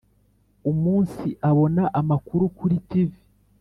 umunsi abona amakuru kuri tivi